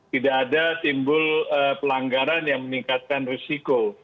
tidak ada timbul pelanggaran yang meningkatkan risiko